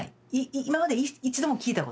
今まで一度も聞いたことがない